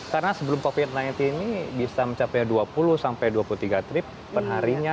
karena sebelum covid sembilan belas ini bisa mencapai dua puluh dua puluh tiga trip perharinya